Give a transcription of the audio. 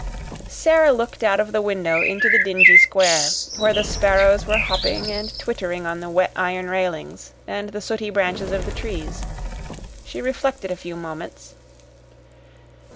Sara looked out of the window into the dingy square, where the sparrows were hopping and twittering on the wet, iron railings and the sooty branches of the trees. She reflected a few moments.